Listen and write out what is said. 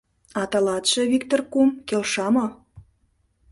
— А тылатше, Виктыр кум, келша мо?